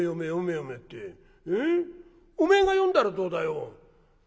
えっおめえが読んだらどうだよ？」。